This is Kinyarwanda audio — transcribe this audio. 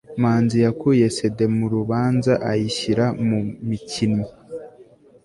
manzi yakuye cd mu rubanza ayishyira mu mukinnyi